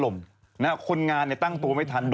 คือวันนี้คนจีนขอเมา